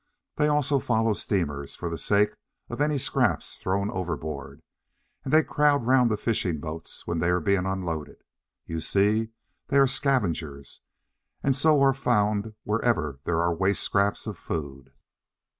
They also follow steamers, for the sake of any scraps thrown overboard, and they crowd round the fishing boats when they are being unloaded. You see, they are scavengers, and so are to be found wherever there are waste scraps of food.